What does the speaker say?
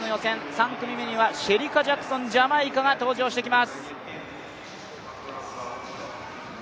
３組目にはシェリカ・ジャクソン、ジャマイカが登場してきます。